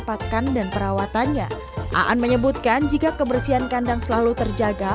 pakan dan perawatannya aan menyebutkan jika kebersihan kandang selalu terjaga